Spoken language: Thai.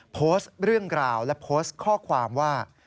โพสต์เรื่องราวและโพสต์ข้อความว่า